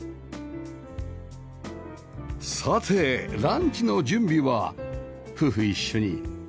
さてランチの準備は夫婦一緒に